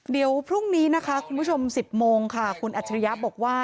เดี๋ยวพรุ่งนี้นะคะคุณผู้ชม๑๐โมงค่ะคุณอัจฉริยะบอกว่า